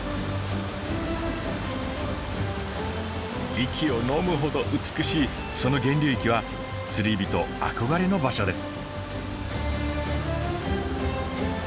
息をのむほど美しいその源流域は釣りびと憧れの場所です。